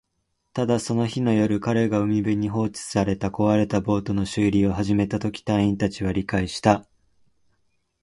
ただ、その日の夜、彼が海辺に放置された壊れたボートの修理を始めたとき、隊員達は理解した